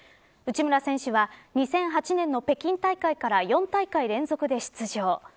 内村選手は２００８年の北京大会から４大会連続で出場。